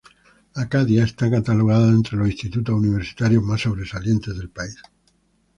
Acadia está catalogada entre los institutos universitarios más sobresalientes del país.